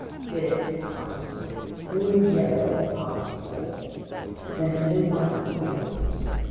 This time, no yellow passport, but then no money either.